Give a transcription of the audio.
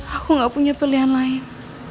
aku gak punya pilihan lain